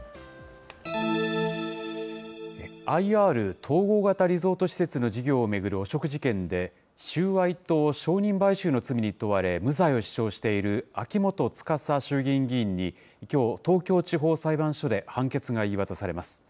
ＩＲ・統合型リゾート施設の事業を巡る汚職事件で収賄と証人買収の罪に問われ、無罪を主張している秋元司衆議院議員にきょう、東京地方裁判所で判決が言い渡されます。